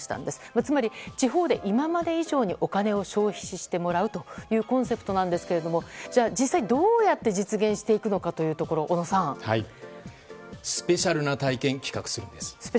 つまり地方で今まで以上にお金を消費してもらうというコンセプトですが実際どうやって実現していくのかスペシャルな体験を企画するんです。